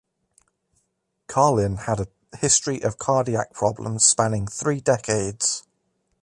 Carlin had a history of cardiac problems spanning three decades.